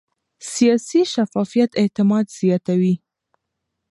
سیاسي شفافیت اعتماد زیاتوي